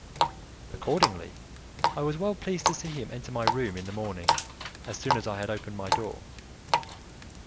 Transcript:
Accordingly, I was well pleased to see him enter my room in the morning as soon as I had opened my door.